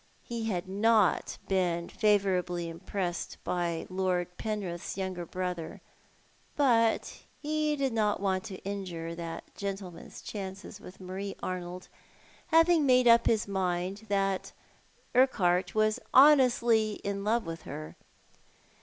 He had not been favourably impressed by Lord Penrith's younger brother; but he did not want to injure that gentleman's chances with Marie Arnold, having made up his mind that Urquhart was honestly in love with her.